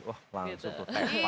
wah langsung tuh